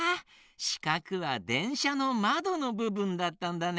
しかくはでんしゃのまどのぶぶんだったんだね！